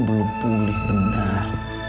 belum pulih benar